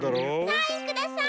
サインください！